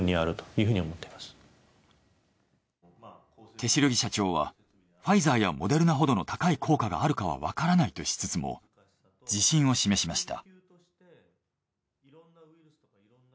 手代木社長は「ファイザーやモデルナほどの高い効果があるかは分からない」としつつも自信を示しました。